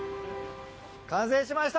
完成しました！